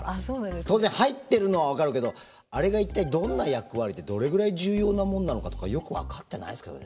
当然入ってるのは分かるけどあれが一体どんな役割でどれぐらい重要なもんなのかとかよく分かってないですけどね。